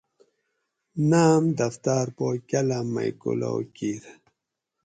ناۤم دفتاۤر پا کاۤلام مئی کلاؤ کیت